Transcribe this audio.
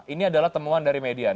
ini adalah temuan dari median